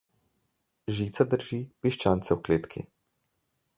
Žica drži piščance v kletki.